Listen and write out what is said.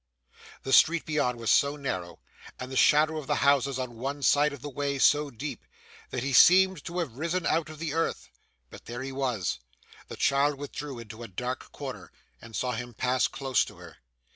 The street beyond was so narrow, and the shadow of the houses on one side of the way so deep, that he seemed to have risen out of the earth. But there he was. The child withdrew into a dark corner, and saw him pass close to her.